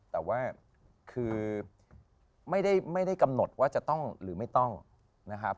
แต่ว่าคือไม่ได้กำหนดว่าจะต้องหรือไม่ต้องนะครับ